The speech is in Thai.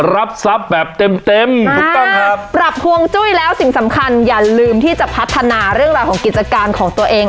รับทรัพย์แบบเต็มเต็มถูกต้องครับปรับฮวงจุ้ยแล้วสิ่งสำคัญอย่าลืมที่จะพัฒนาเรื่องราวของกิจการของตัวเอง